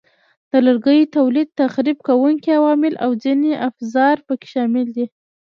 د لرګیو تولید، تخریب کوونکي عوامل او ځینې افزار پکې شامل دي.